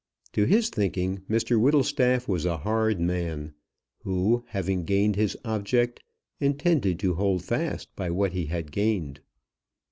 To his thinking, Mr Whittlestaff was a hard man, who, having gained his object, intended to hold fast by what he had gained.